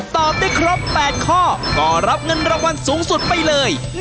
ตอบได้ครบ๘ข้อก็รับเงินรางวัลสูงสุดไปเลย